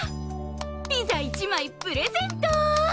ピザ１枚プレゼント！